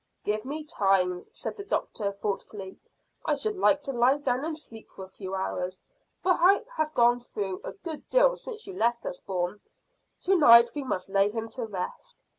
"Give me time," said the doctor thoughtfully. "I should like to lie down and sleep for a few hours, for I have gone through a good deal since you left us, Bourne. To night we must lay him to rest.